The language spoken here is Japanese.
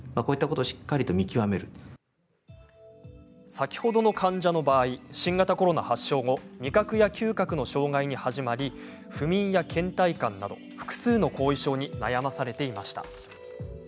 先ほどの患者の場合新型コロナ発症後味覚や嗅覚の障害に始まり不眠や、けん怠感など複数の後遺症に悩まされていました。